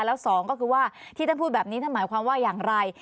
แล้วสองก็คือว่าที่ท่านพูดแบบนี้ท่านหมายความว่าอย่างไร